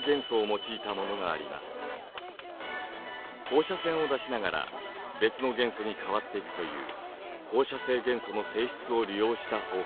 放射線を出しながら別の元素に変わっていくという放射性元素の性質を利用した方法です。